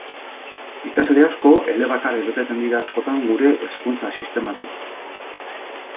Ikasle asko elebakar irteten dira askotan gure hezkuntza sistematik.